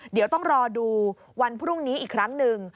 เดี๋ยวต้องรอดูวันพรุ่งนี้อีกครั้งหนึ่ง